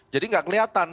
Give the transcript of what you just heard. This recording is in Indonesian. jadi tidak kelihatan